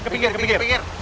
ke pinggir ke pinggir